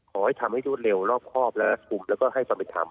ขอให้ทำให้รูดเร็วรอบครอบและระยะรับกลุ่มแล้วก็ให้ความไปทำ